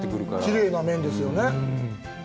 きれいな麺ですよね。